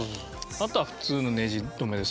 あとは普通のネジ留めですもんね。